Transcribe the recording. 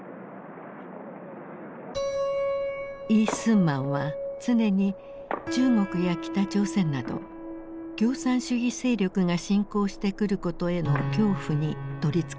李承晩は常に中国や北朝鮮など共産主義勢力が侵攻してくることへの恐怖に取りつかれていた。